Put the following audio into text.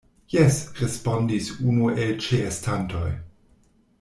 Jes, respondis unu el ĉeestantoj.